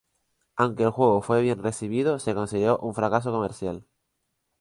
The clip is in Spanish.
Aunque el juego fue bien recibido, se consideró un fracaso comercial.